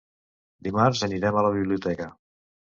Dimarts anirem a la biblioteca.